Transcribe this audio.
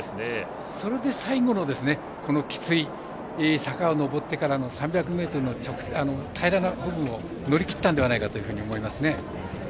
それで最後のきつい坂を上ってからの３００ｍの平らなところを乗り切ったんではないかと思います。